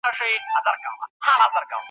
هره اداره خپل اصول لري.